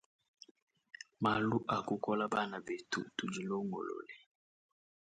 Malu akukola bana betu tudi longolole.